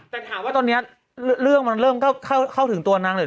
แต่ถามว่าตอนนี้เรื่องมันเริ่มเข้าถึงตัวนางหรือ